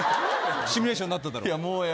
シミュレーションになったかな。